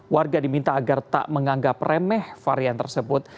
warga diminta agar tak menganggap remeh varian tersebut